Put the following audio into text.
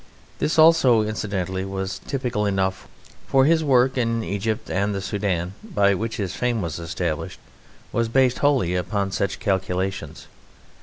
This also, incidentally, was typical enough, for his work in Egypt and the Soudan, by which his fame was established, was based wholly upon such calculations.